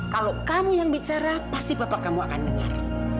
kalau kamu yang bicara pasti bapak kamu akan dengar